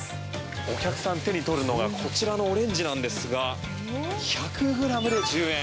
お客さん、手に取るのがこちらのオレンジなんですが１００ｇで１０円！